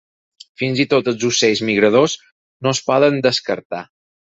Fins i tot els ocells migradors no es poden descartar.